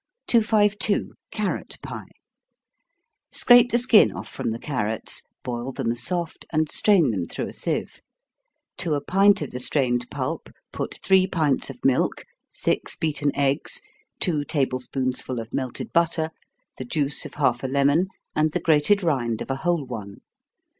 252. Carrot Pie. Scrape the skin off from the carrots, boil them soft, and strain them through a sieve. To a pint of the strained pulp put three pints of milk, six beaten eggs, two table spoonsful of melted butter, the juice of half a lemon, and the grated rind of a whole one.